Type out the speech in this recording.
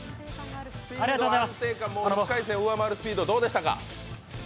１回戦を上回るスピード、どうでしたか？